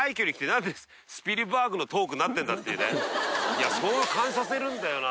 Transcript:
いやそう感じさせるんだよな。